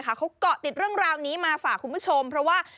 เขาเกาะติดเรื่องราวนี้มาฝากคุณผู้ชมเพราะว่า